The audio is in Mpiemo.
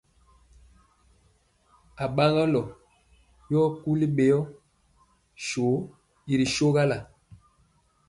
Aɓaŋɔlɔ yɔ kuli ɓeyɔ swɔ i ri sogala.